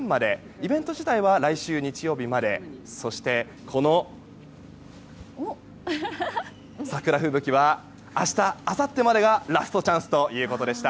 イベント自体は来週日曜日までそして、この桜吹雪は明日、あさってまでがラストチャンスということでした。